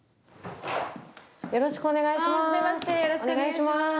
よろしくお願いします。